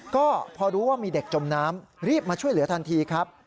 ก็พอรู้ว่ามีเด็กจมน้ำรีบมาช่วยเหลือทันทีครับ